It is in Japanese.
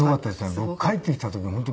僕帰ってきた時本当